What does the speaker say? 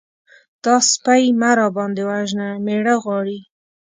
_دا سپۍ مه راباندې وژنه! مېړه غواړي.